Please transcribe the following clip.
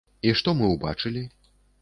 І што мы ўбачылі?